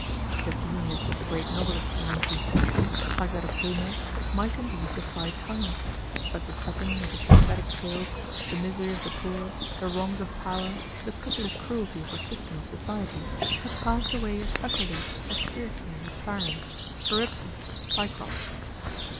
The genius of the great novelist of the nineteenth century, like that of Homer, might indeed defy time; but the setting of his pathetic tales, the misery of the poor, the wrongs of power, the pitiless cruelty of the system of society, had passed away as utterly as Circe and the sirens, Charybdis and Cyclops.